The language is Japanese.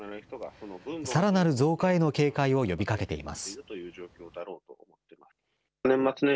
さらなる増加への警戒を呼びかけています。